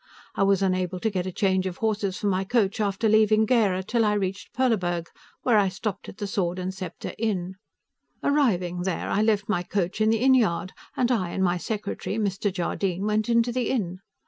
I was unable to get a change of horses for my coach after leaving Gera, until I reached Perleburg, where I stopped at the Sword & Scepter Inn. Arriving there, I left my coach in the inn yard, and I and my secretary, Mr. Jardine, went into the inn.